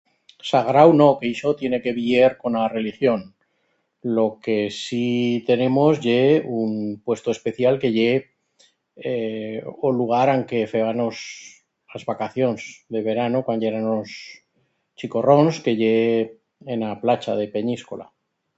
Sagrau no, que ixo tiene que viyer con a religión. Lo que sí tenemos ye un puesto especial que ye ee o lugar an que fébanos las vacacions de verano cuan yéranos chicorrons, que ye en a placha de Penyíscola.